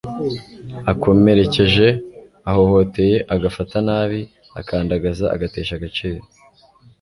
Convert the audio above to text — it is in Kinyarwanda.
akomere keje, ahohoteye, agafata nabi, akandagaza, agatesha agaciro